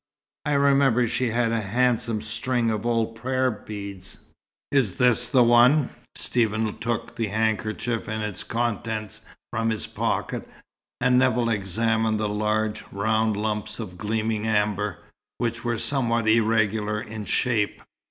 "I remember she had a handsome string of old prayer beads." "Is this the one?" Stephen took the handkerchief and its contents from his pocket, and Nevill examined the large, round lumps of gleaming amber, which were somewhat irregular in shape.